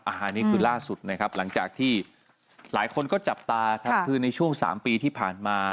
อันนี้คือล่าสุดนะครับหลังจากที่หลายคนก็จับตาครับคือในช่วง๓ปีที่ผ่านมา